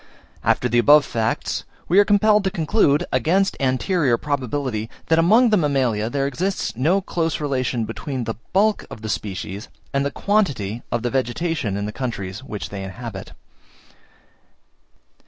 After the above facts, we are compelled to conclude, against anterior probability, that among the mammalia there exists no close relation between the bulk of the species, and the quantity of the vegetation, in the countries which they inhabit.